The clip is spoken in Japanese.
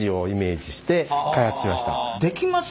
できます？